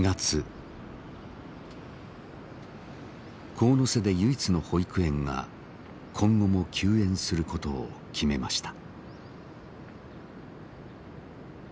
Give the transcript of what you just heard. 神瀬で唯一の保育園が今後も休園することを決めました。